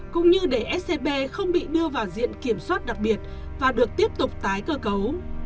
cũng như để scb không bị đưa vào diện kiểm soát đặc biệt và được tiếp tục tái cơ cấu